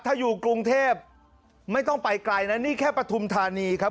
ถ้าอยู่กรุงเทพไม่ต้องไปไกลนะนี่แค่ปฐุมธานีครับ